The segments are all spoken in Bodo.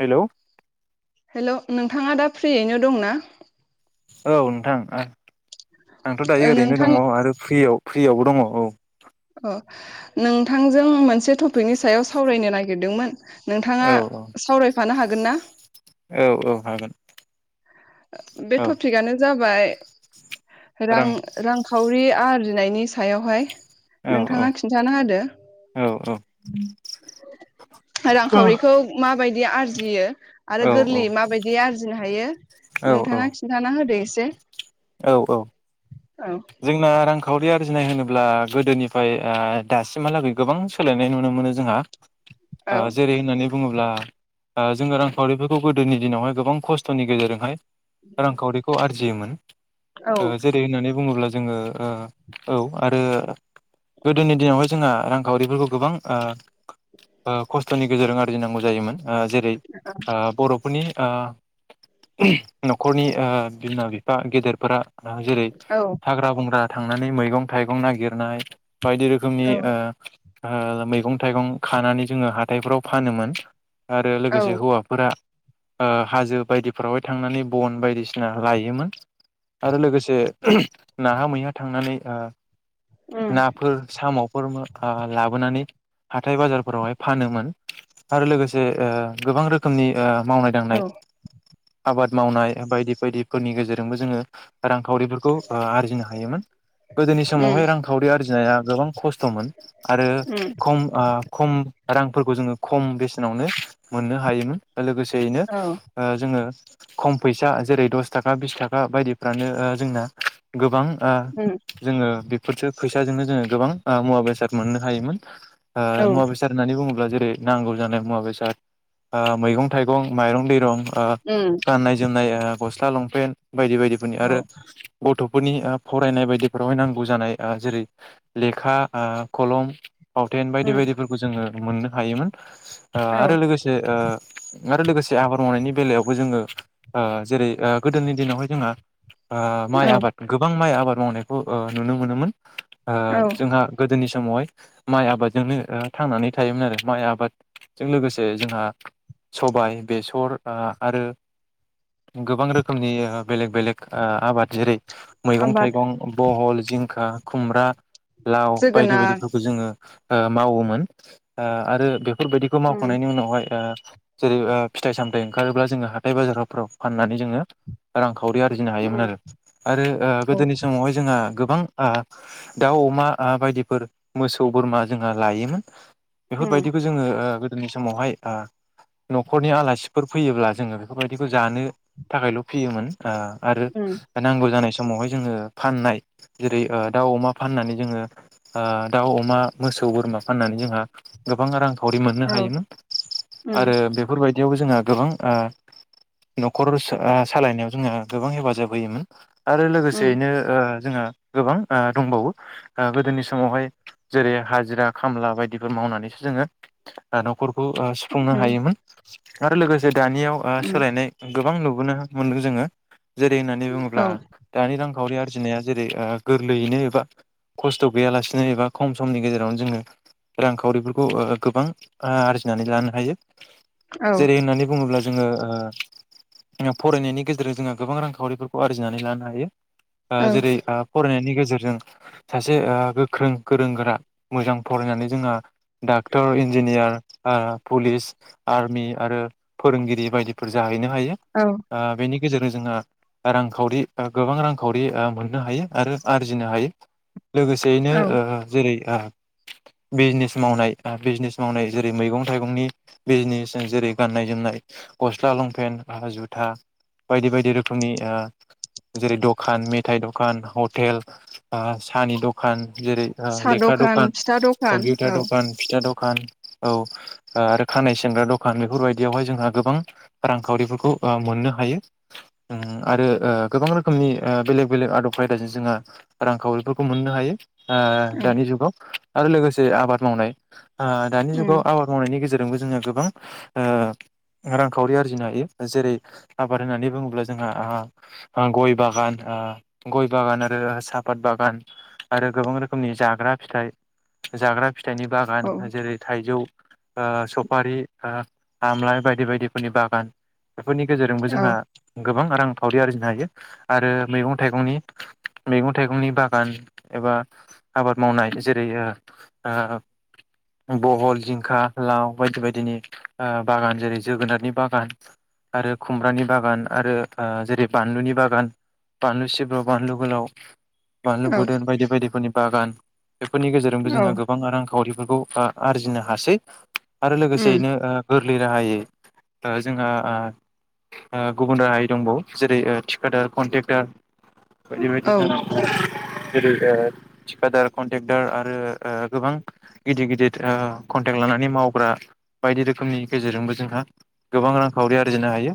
हेल'! हेल' नोंथाङा दा फ्रियैनो दंना? औ नोंथां ओ। आंथ' ओ दायो ओरैनो नोंथां दङ आरो फ्रियाव फ्रियावबो दङ औ। अ नोंथांजों मोनसे टपिकनि सायाव सावरायनो नागिरदोंमोन नोंथाङा औ सावरायफानो हागोन ना? औ औ हागोन बे औ टपिकआनो जा बाय रां रांखावरि आरजिनायनि सायावहाय। औ औ नोंथाङा खिन्थाना होदो। औ औ रांखावरिखौ माबाय दि आरजियो आरो औ गोरलैयै माबायदि आरजिनो हायो औ औ नोंथाङा खिन्थाना होदो एसे औ औ। औ जोंना रां खावरि आरजिनाय होनोब्ला गोदोनिफ्राय ओ दासिमहालागै गोबां सोलायनाय नुनो मोनो जोंहा। औ ओ जेरै होननानै बुङोब्ला ओ जोङो रांखावरिफोरखौ गोदोनि दिनावहाय गोबां खस्थ'नि गेजेरजोंहाय रांखावरिखौ आरजियोमोन। औ ओ जेरै होननानै बुङोब्ला जोङो ओ औ आरो गोदोनि दिनावहाय जोंहा रांखावरिफोरखौ गोबां आ खस्थ'नि गेजेरजों आरजिनांगौ जायोमोन। आ जेरै आ बर'फोरनि आ न'खरनि बिमा बिफा गेदेरफोरा रा जेरै औ हाग्रा बंग्रा थांनानै मैगं थाइगं नागिरनाय बायदि रोखोमनि औ ओ ओ मैगं थाइगं खानानै जोङो हाथायफोराव फानोमोन। आरो औ लोगोसे हौवाफोरा ओ हाजो बायदिफ्रावहाय थांनानै बन बायदिसिना लायोमोन आरो लोगोसे नाहा मैहा थांनानै उम ओ नाफोर साम' फोर ओ लाबोनानै हाथाय बाजारफोरावहाय फानोमोन आरो लोगोसे गोबां रोखोमनि मावनाय औ दांनाय आबाद मावनाय बायदि बायदिफोरनि गेजेरजोंबो जोङो रांखावरि खौ ओ आरजिनो हायोमोन गोदनि उम समावहाय रांखावरि आर फुनाया गोब खस्थ खस्थ'मोन आरो उम खम ओ खम रांफोरखौ जोङो खम बेसेनावनो मोननो हायोमोन लोगोसेयैनो औ ओ जोङो खम फैसा जेरै दस थाखा बिस थाखा बायदिफ्रानो जोंना गोबां ओ उम जोङो बेफोरसो फैसाजोंनो जोङो गोबां मुवा बेसाद मोननो हायोमोन औ ओ मुवा बेसार होननानै बुङो जेरै नांगौ जानाय मुवा बेसाद ओ मैगं थाइगं माइरं दैरं ओ उम गाननाय जोमनाय ओ ग स्ला लंपेन्ट बायदि बायदिफोरनि औ आरो गथ'फोरनि फरायनाय बायदिफोरावहाय नांगौ जानाय जेरै लेखा आ खलम फावथेन उम बायदि बायदिफोरखौ जोङो मोननो हायोमोन औ आरो लोगोसे ओ आरो लोगोसे आबाद मावनायनि बेलायावबो जोङो ओ जेरै गोदोनि दिनावहाय ओ जोंहा बे माइ औ आबाद गोबां माइ आबाद मावनायखौ ओ नुनो मोनोमोन ओ औ जोंहा गोदोनि स समावहाय माइ आबादजोंनो थांनानै थायोमोन आरो माइ आबादजों लोगोसे जोंहा सबाइ बेसर आरो गोबां रोखोमनि बेलेग बेलेग आबाद जेरै मैगं आबाद थाइगं बहल जिंखा खुमब्रा लाव बायदि जोगोनार बायदिफोरखौ जोङो मावोमोन ओ आरो बे बेफोरबायदिखौ उम मावखांनायनि उनावहाय जेरै फिथाइ सामथायाइ ओंखारोब्ला जोङो हाथाय बाजाराव फाननानै जोङो रांखौ खावरि आरजिनो हायोमोन उम आरो। आरो गोदोनि समावहाय जोंहा आ गोबां आ दाउ अमा आ बायदिफोर मोसौ बोरमा जोंहा लायोमोन। उम बेफोरबायदिखौ जोङो ओ जोंनि समावहाय आ नखरनि आलासिफोर फैयोब्ला जोङो बेफोरबायदिखौ जानो थाखायल फियोमोन। आ आरो उम नांगौ जानाय समावहाय जोङो फाननाय जेरै ओ दाउ अमा फाननानै जोङो आ दाउ अमा मोसौ बोरमा फाननानै जोंहा गोबां रां खावरि मोननो औ हायोमोन उम आरो बेफोरबायदियावबो जोंहा गोबां आ नखर आ सालायनायाव जोङो गोबां हेफाजाब होयोमोन। आरो उम लोगोसेयैनो ओ जोंहा गोबां आ दंबावो आ गोदोनि समावहाय जेरै हाजिरा खामला बायदिफोर मावनानैसो जोङो आ नखर खौ ओ सुफुंनो उम हायोमोन। आरो लोगोसे दानियाव आ उम सोलायनाय गोबां नु बेखौनो मोनदों जोङो जेरै औ [unintelligible] दानि रांखावरि आरजिनाया जेरै ओ गोरलैयैनो एबा खस्थ गैयालासिनो एबा खम समनि गेजेरावनो जोङो रांखावरिफोरखौ ओ गोबां आरजिनानै लानो हायो। औ जेरै होननानै बुङोब्ला जोङो ओ फरायनायनि गेजेरजों जोंहा गोबां रांखावरि खौ आरजिनानै लानो हायो। आ औ जेरै आ फरायनायनि गेजेरजों गेजेरजों सासे ओ गोख्रों गोरों गोरा मोजां फरायनानै जोंहा डाक्टर इन्जिनियार ओ पुलिस आर्मि आरो फोरोंगिरि बायदिफोर जाहैनो हायो औ आ बेनि गेजेरजों जोंहा रांखावरि ओ गोबां रांखावरि मोननो हायो आरो आरजिनो हायो। लोगोसेयैनो औ ओ जेरै ओ बिजनेस मावनाय आ बिजनेस मावनाय जेरै मैगं थाइगंनि बिजनेस जेरै गाननाय जोमनाय गस्ला लंपेन्ट आरो जुथा बायदि बायदि रोखोमनि आ जेरै दखान मेथाइ दखान हटेल आ सानि दखान जेरै ओ साहा लेखा दखान फिथा दखान कम्पिउटार औ दखान फिथा दखान दखान औ आरो खानाय सिनग्रा दखान बेफोरबायदियावहाय जोंहा गोबां रांखावरि फोरखौ ओ मोननो हायो उम आरो ओ गोबां रोखोमनि ओ बेलेग बेलेग आदब खायदाजों जोंहा रांखावरिफोरखौ मोननो हायो। आ औ दानि जुगाव आरो लोगोसे आबाद मावनाय आ दानि उम जुगाव आबाद मावनायनि गेजेरजों जोंबो जोङो गोबां ओ रांखावरि आरजिनो हायो। जेरै आबाद होननानै बुङोब्ला जोंहा आ गय बागान आ गय बागान आरो सापात बागान आरो गोबां रोखोमनि जाग्रा फिथाइ जाग्रा फिथाइनि बागान औ जेरै थाइजौ ओ सफारि ओ आमलाइ बायदि बायदिफोरनि बागान। बेफोरनि गेजेरजोंबो औ जोंहा गोबां रां खावरि आरजिनो हायो आरो मैगं थाइगंनि मैगं थाइगंनि बागान एबा आबाद मावनाय जेरै ओ ओ बहल जिंखा लाव बायदि बायदिनि ओ बागान जेरै - जोगोनारनि बागान आरो खुमब्रानि बागान आरो ओ जेरै बानलुनि बागान बानलु सिब्र' बानलु गोलाव बानलु औ बोर्दोन बायदि बायदिफोरनि बागान बेफोरनि गेरजोंबो औ जोंहा गोबां रांखावरिफ बेफोरखौ आ-आरजिनो हासै। आरो उम लोगोसेयैनो ओ गोर लै राहायै ओ जोंहा ओ ओ गुबुन राहायै दंबावो जेरै थिकादार, कन्ट्रेक्टार बायदि औ बायदि। जेरै ओ थिखादार, कन्टेक्दार आरो ओ गोबां गिदिर गिदिर ओ कन्टेक्ट लानानै मावग्रा बायदि रोखोमनि गेजेरजोंबो जोंहा गोबां रांखावरि आरजिनो हायो।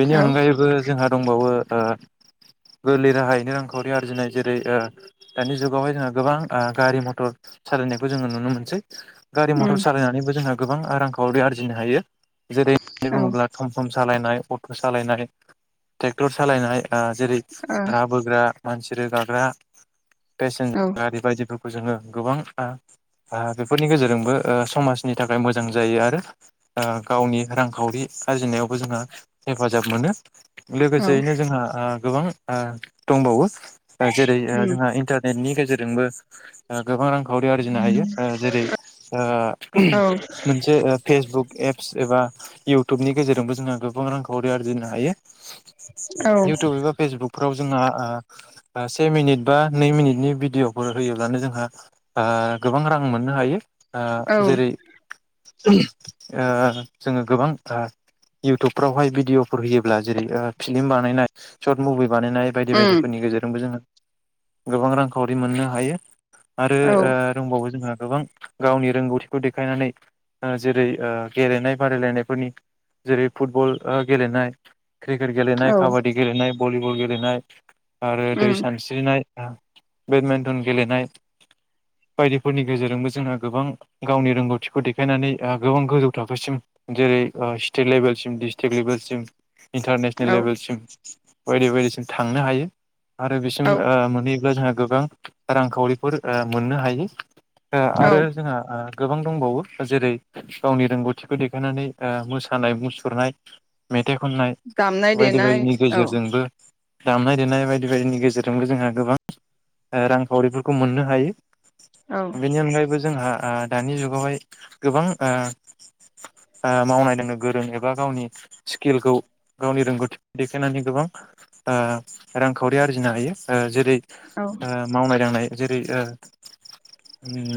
बेनि औ अनगायैब जोंहा दंबावो ओ गोरलै राहायैनो रांखावरि आरजिनाय जेरै ओ दानि जुगावहाय जोंहा गोबां ओ गारि मथर सालायनायखौ जोङो नुनो मोनसै। गारि उम मथर सालायनानैबो जोंहा गोबां रांखावरि आरजिनो हायो। जेरै होननानै औ ओ बुङोब्ला तम तम सा सालायनाय अट' सालायनाय ट्रेक्टर सालायनाय ओ जेरै राबोग्रा मानसि रोगाग्रा पेसेन्जार गारि बायदिफोरखौ जोङो गोबां ओ ओ बेफोरनि गेजेरजोंबो ओ समाजनि थाखाय मोजां जायो आरो ओ गावनि रांखावरि आरजिनायावबो जोंहा हेफाजाब मोनो। औ उम औ लोगोसेयैनो जोंहा ओ गोबां ओ दंबावो। जेरै ओ जोंहा इन्टारनेटनि गेजेर जेरजोंबो गोबां रांखावरि आरजिनो हायो ओ जेरै ओ ओहोम मोनसे फेसबुक एप्स एबा इउटुबनि गेजेरजोंबो जोंहा गोबां रांखावरि आरजिनो हायो इउटुब एबा फेसबुकफोराव जोंहा ओ से मिनिट बा नै मिनिटनि भिडिअ'फोर होयोब्लानो जोंहा गोबां रां मोननो हायो ओ जेरै उम ओ जोङो गोबां थां इउटुबफ्रावहाय भिडिअफोर होयो ब्ला जेरै भिलम बानायनाय सत मुभि बानायनाय बायदि बायदिफोरनि गेजेरजोंबो जोङो गोबां रांखावरि मोननो हायो। आरो औ ओ दंबावो जोंहा गोबां गावनि रोंगौथिखौ देखायनानै ओ जेरै ओ गेलेनाय बादायलायनायफोरनि जेरै फुटबल ओ गेलेनाय क्रिकेट गेलेनाय, काबादि गेलेनाय भलिबल गेलनाय आरो दै उम सानस्रिनाय बेडमिन्टन गेलेनाय बायदिफोरनि गेजेरजोंबो जोंहा गोबां गावनि रोंगौथिखौ देखायनानै ओ गोबां गोजौ थाखोसिम जेरै स्टेट लेभेलसिम डिस्ट्रिक लेभेलसिम इन्टारनेसनेल औ लेभेलसिम बायदि बायदिसिम थांनो हायो। आरो बिसिम औ ओ मोन नों जोंहा गोबां रांखावरिफोर ओ मोननो हायो। ओ औ आरो जोंहा ओ गोबां दंबावो जेरै गावनि रोंगौथिखौ देखायनानै ओ मोसानाय-मुसुरनाय खननाय दामनाय बायदि देनाय बायदिनि औ गेजेरजोंबो दामनाय-देनाय बायदि बायदिनि गेजेरजोंबो जोंहा गोबां ओ रांखावरिफोरखौ मोननो हायो। बेनि अनगायैबो जोंहा ओ दानि जुगावहाय गोबां ओ मावनाय दोननो गोरों एबा गावनि स्किलखौ गावनि रोंगौथिखौ देखायनानै गोबां रांखावरि ओ आरजिनो हायो। जेरै औ ओ मावनाय-दांनाय जेरै ओ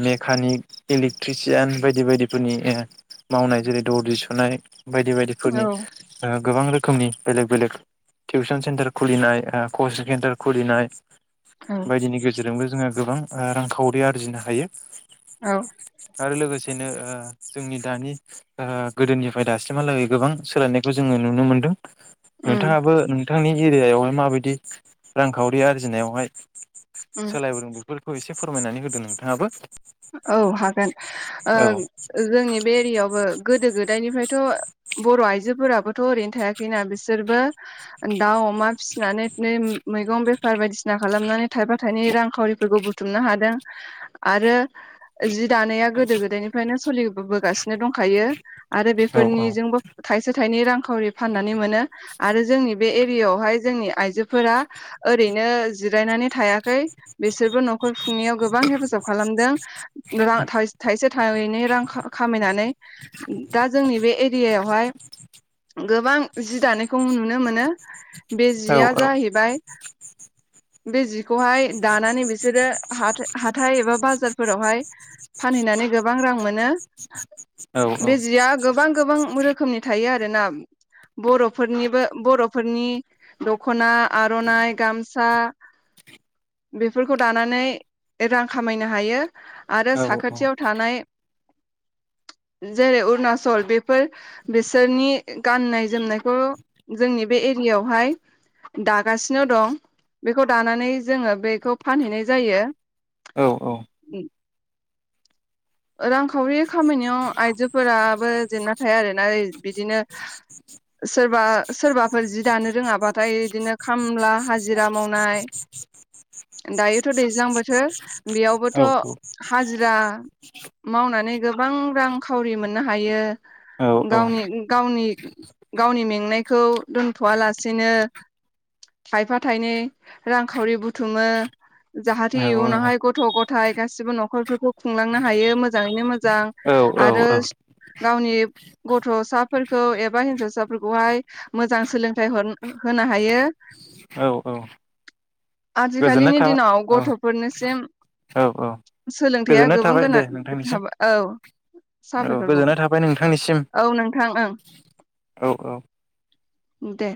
मेकानिक, इलेक्ट्रिसियान बायदि बायदिफोरनि ओ मावनाय जेरै दरजि सुनाय बायदि बायदिफोरनि औ ओ गोबां रोखोमनि बेलेग बेलेग टिउसन सेन्टार खुलिनाय ओ कचिं सेन्टार खुलिनाय औ बायदिनि गेजेरजोंबो जोंहा गोबां आ रांखावरि आरजिनो हायो। औ आरो लोगोसेनो जोंनि दानि ओ गोदोनिफ्राय दासिमहालागै गोबां सोलायनायखौ जोङो नुनो मोन्दों। उम नोंथाङाबो नोंथांनि एरियायावहाय माबायदि रांखावरि आरजिनायावहाय उम सोलायबोदों बेफोर खौ एसे फोरमायनानै होदो नोंथाङाबो। औ हागोन ओ औ जोंनि बे एरियायावबो गोदो गोद दायनिफ्रायथ' बर' आइजोफोराबोथ' ओरैनो थायाखैना बिसोरबो दाउ अमा फिसि नानै मैगं बे फार बायदिसिना खालामनानै थाइफा थाइनै रांखावरिफोरखौ बुथुमनो हादों। आरो जि दानाया गोदो गोदायनिफ्रायनो सलिबोबोगासिनो दंखायो। आरो औ औ बेफोरनिजोंबो थाइसे थाइनै रांखावरि फाननानै मोनो आरो जोंनि बे एरियायावहाय जोंनि आइजो फोरा ओ ओरैनो जिरायनानै थायाखै। बिसोरबो न'खर खुंनायाव गोबां हेफाजाब खालामदों। रां थाइ-थाइसे थाइनै रां खा-खामायनानै दा जोंनि बे एरियायाव खौहाय गोबां जि दानायखौ नुनो मोनो। बे औ जिया औ जाहैबाय बे जिखौहाय दानानै बिसोरो हाथा-हाथाइ एबा बाजार फोरावहाय फानहैनानै गोबां रां मोनो। औ औ बे जिया गोबां गोबां रो खोमनि थायो आरोना बर'फोरनिबो बर'फोरनि दख'ना, आर'नाइ, गामसा बेफोरखौ दानानै रां खामायनो हायो। आरो साखाथियाव थानाय जेरै उरनासल बेफोर बिसोरनि गाननाय जोमनायखौ जोंनि बे एरियायावहाय दागासिनो दं बेखौ दानानै जोङो बेखौ फानहैनाय जायो। औ औ। रांखावरि खामायनायाव आइजोफोराबो जेनना थाया आरोना ओइ बिदिनो सोरबा सोरबाफोर जि दानो रोङाबाथाय बिदिनो खामला हाजिरा मावनाय दायोथ' दैज्लां बोथोर बेयावबोथ' हाजिरा मावनानै गोबां रां खावरि मोननो हायो। गावनि गावनि गावनि मेंनायखौ दोन्थ'आ लासेनो थाइफा थाइनै रांखावरि बुथुमो जाहाथि इयुनावहाय गथ' ग' थाइ गासिबो न'खरफोरखौ खुंलां नो हायो मोजाङैनो मोजां औ आरो गावनि गथ'साफोरखौ एबा हिन्जावसाफोरखौहाय मोजां सोलोंथाइ हर-होनो हायो औ औ गोजोननाय आजिखालिनि थाबाय दिनाव औ गथ' फोरनिसिम औ औ गोजोननाय थाबाय दे नोंथांनिसिम सोलोंथाया औ। [inaudible] औ बाव गोजोन्नाय थाबाय नोंथांनिसिम। औ नोंथां ओं औ औ। दे।